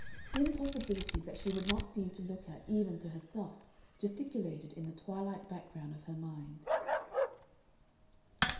Dim possibilities that she would not seem to look at even to herself gesticulated in the twilight background of her mind.